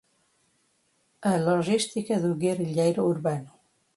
A Logística do Guerrilheiro Urbano